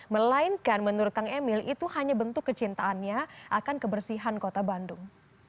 melainkan menurut kang emil itu hanya bentuk kecintaannya akan kebersihan kota bandung